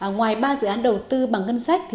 ngoài ba dự án đầu tư bằng ngân sách